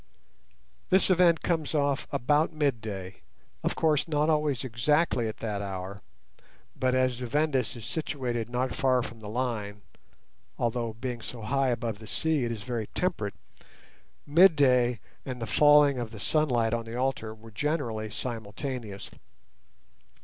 This event comes off about midday; of course, not always exactly at that hour, but as Zu Vendis is situated not far from the Line, although—being so high above the sea it is very temperate—midday and the falling of the sunlight on the altar were generally simultaneous.